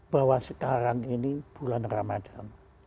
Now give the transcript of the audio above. bahwa sekarang ini bulan ramadhan